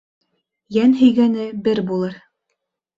Йән һөйгәне бер булыр.